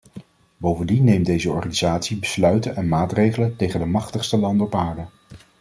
Bovendien neemt deze organisatie besluiten en maatregelen tegen de machtigste landen op aarde.